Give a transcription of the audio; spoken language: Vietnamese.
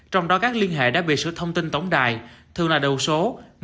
trong đó các liên hệ đã bị sửa thông tin tổng đài thường là đầu số một chín không không chín chín sáu sáu